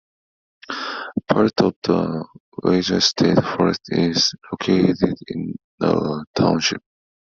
Part of the Weiser State Forest is located in the township.